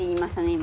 今。